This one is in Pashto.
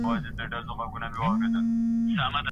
نږدې دوستان هیڅکله پر شا نه ځي.